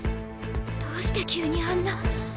どうして急にあんな。